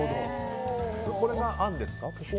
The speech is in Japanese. これは、あんですか？